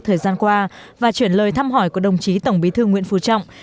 thời gian qua và chuyển lời thăm hỏi của đồng chí tổng bí thư nguyễn phú trọng